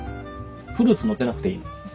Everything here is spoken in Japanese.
フルーツのってなくていい。